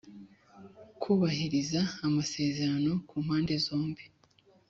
kubahiriza amasezerano ku mpande zombi (responsabilité mutuelle).